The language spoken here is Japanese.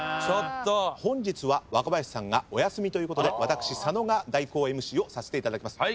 本日は若林さんがお休みということで私佐野が代行ＭＣをさせていただきます。